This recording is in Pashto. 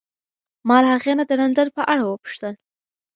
ما له هغې نه د لندن په اړه وپوښتل.